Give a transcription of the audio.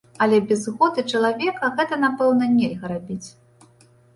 Але без згоды чалавека гэта, напэўна, нельга рабіць.